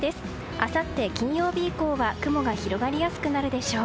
あさって金曜日以降は雲が広がりやすくなるでしょう。